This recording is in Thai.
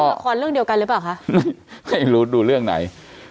ละครเรื่องเดียวกันหรือเปล่าคะไม่รู้ดูเรื่องไหน